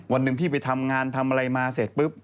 วันหนึ่งพี่ไปทำงานทำอะไรมาเสร็จปุ๊บ